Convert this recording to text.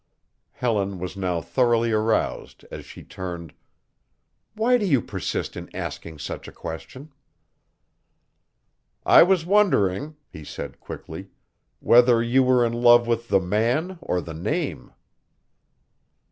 Helen was now thoroughly aroused as she turned: "Why do you persist in asking such a question?" "I was wondering," he said quickly, "whether you were in love with the man or the name."